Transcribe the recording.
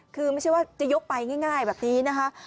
คือไม่ใช่ว่าจะยกไปง่ายแบบนี้นะคะ